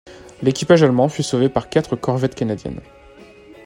L'équipage allemand fut sauvé par quatre corvettes canadiennes.